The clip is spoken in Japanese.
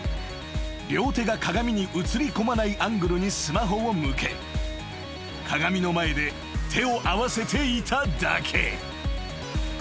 両手が鏡に映り込まないアングルにスマホを向け鏡の前で手を合わせていただけ］